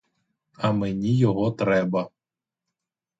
А мені його треба.